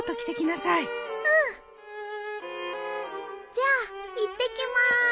じゃあいってきまーす。